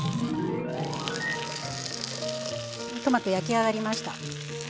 トマト焼き上がりました。